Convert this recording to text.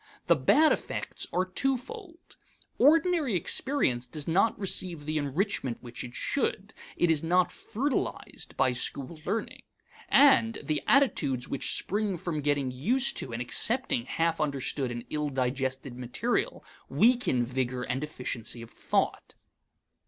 The bad effects are twofold. Ordinary experience does not receive the enrichment which it should; it is not fertilized by school learning. And the attitudes which spring from getting used to and accepting half understood and ill digested material weaken vigor and efficiency of thought.